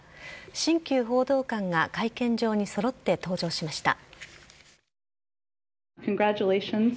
新旧報道官が会見場に揃って登場しました。